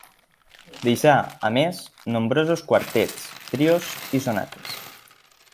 Deixà, a més, nombrosos quartets, trios i sonates.